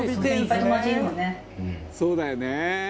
「そうだよね」